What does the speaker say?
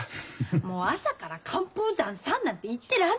もう朝から「寒風山さん」なんて言ってらんないよ。